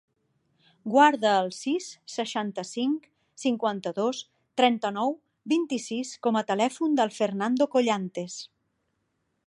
Guarda el sis, seixanta-cinc, cinquanta-dos, trenta-nou, vint-i-sis com a telèfon del Fernando Collantes.